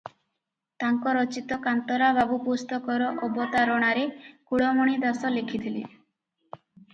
ତାଙ୍କ ରଚିତ କାନ୍ତରା ବାବୁ ପୁସ୍ତକର ଅବତାରଣାରେ କୁଳମଣି ଦାଶ ଲେଖିଥିଲେ ।